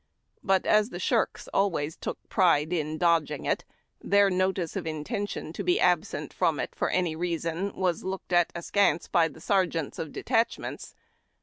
But as the shirks always took pride in dodging it, their notice of intention to be absent from it for any reason was looked at askance by the sergeants of detachments.